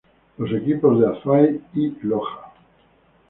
Los equipos de Azuay y Loja.